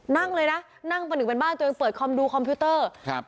นั่งเลยนะนั่งประหนึ่งเป็นบ้านตัวเองเปิดคอมดูคอมพิวเตอร์ครับ